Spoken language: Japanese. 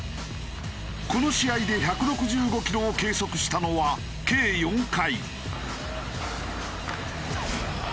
この試合で１６５キロを計測したのは計４回。